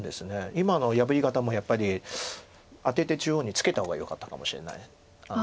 今の破り方もやっぱりアテて中央にツケた方がよかったかもしれない切りで。